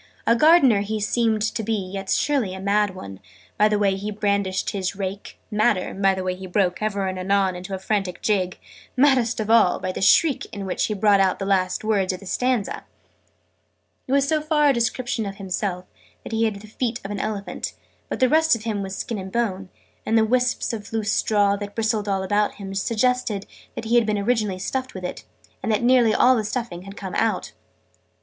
A Gardener he seemed to be yet surely a mad one, by the way he brandished his rake madder, by the way he broke, ever and anon, into a frantic jig maddest of all, by the shriek in which he brought out the last words of the stanza! {Image....The gardener} It was so far a description of himself that he had the feet of an Elephant: but the rest of him was skin and bone: and the wisps of loose straw, that bristled all about him, suggested that he had been originally stuffed with it, and that nearly all the stuffing had come out.